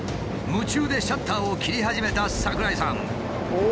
夢中でシャッターを切り始めた櫻井さん。